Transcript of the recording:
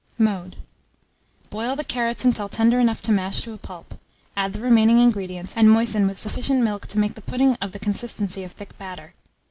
Mode. Boil the carrots until tender enough to mash to a pulp; add the remaining ingredients, and moisten with sufficient milk to make the pudding of the consistency of thick batter.